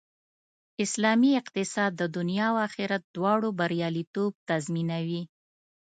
اسلامي اقتصاد د دنیا او آخرت دواړو بریالیتوب تضمینوي